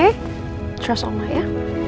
percayalah sama allah ya